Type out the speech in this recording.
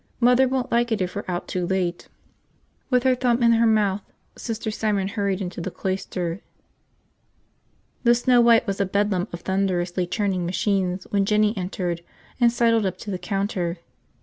Mother won't like it if we're out too late." With her thumb in her mouth, Sister Simon hurried into the cloister. The Snow White was a bedlam of thunderously churning machines when Jinny entered and sidled up to the counter.